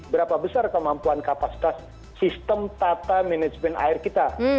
berapa besar kemampuan kapasitas sistem tata manajemen air kita